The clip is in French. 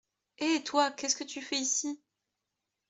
Hé toi, qu'est-ce que tu fais ici?